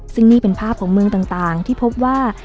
ซึ่งนี่เป็นภาพของเมืองต่างที่พบว่า